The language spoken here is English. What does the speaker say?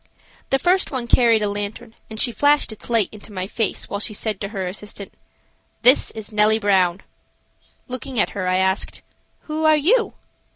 The first one carried a lantern, and she flashed its light into my face while she said to her assistant: "This is Nellie Brown." Looking at her, I asked: "Who are you?"